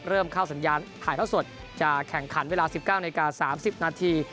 เริ่มเข้าสัญญาณถ่ายเท่าสดจะแข่งขันเวลา๑๙นาที๓๐นาที